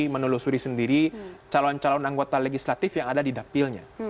menelusuri sendiri calon calon anggota legislatif yang ada di dapilnya